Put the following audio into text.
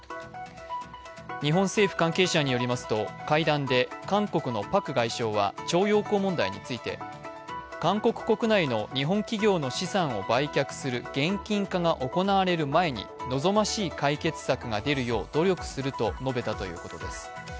日本政府関係者によりますと、会談で韓国のパク外相は徴用工問題について、韓国国内の日本企業の資産を売却する現金化が行われる前に望ましい解決策が出るよう努力すると述べたということです。